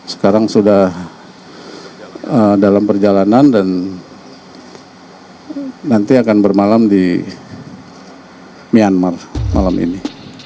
sekarang sudah dalam perjalanan dan nanti akan bermalam di myanmar malam ini